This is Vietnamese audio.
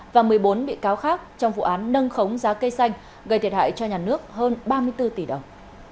và một mươi bốn bị cáo khác trong vụ án nâng khống giá cây xanh gây thiệt hại cho nhà nước hơn ba mươi bốn tỷ đồng